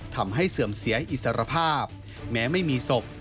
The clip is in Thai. ทำให้เสื่อมเสียอิสระภาพแม้ไม่มีศพ